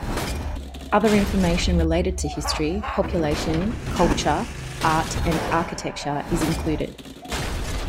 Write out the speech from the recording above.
Other information related to history, population, culture, art and architecture is included.